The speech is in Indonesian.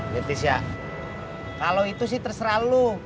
leticia kalau itu sih terserah lo